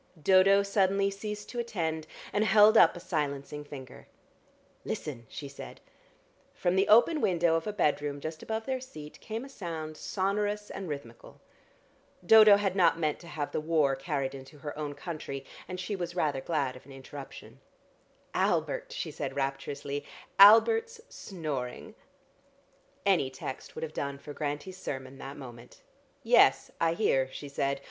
Dodo suddenly ceased to attend, and held up a silencing finger. "Listen!" she said. From the open window of a bedroom just above their seat came a sound sonorous and rhythmical. Dodo had not meant to have the war carried into her own country, and she was rather glad of an interruption. "Albert!" she said rapturously. "Albert snoring." Any text would have done for Grantie's sermon that moment. "Yes, I hear," she said.